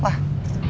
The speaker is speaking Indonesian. pak suganda siapa